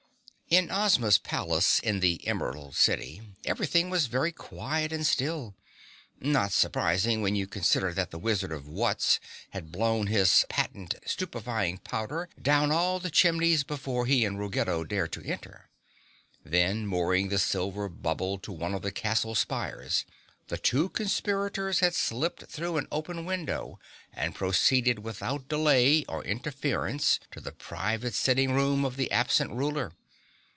In Ozma's palace in the Emerald City, everything was very quiet and still. Not surprising when you consider that the wizard of Wutz had blown his patent stupefying powder down all the chimneys before he and Ruggedo dared to enter. Then, mooring the silver bubble to one of the castle spires, the two conspirators had slipped through an open window and proceeded without delay or interference to the private sitting room of the absent ruler.